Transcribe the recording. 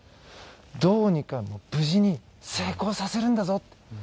どうにか無事に成功させるんだぞ